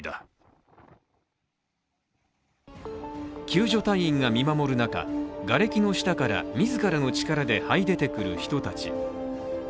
救助隊員が見守る中、がれきの下から自らの力ではい出てくる人たち。